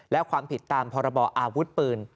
และความผิดตามพรบออาวุธปืน